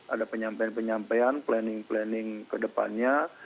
ada penyampaian penyampaian planning planning ke depannya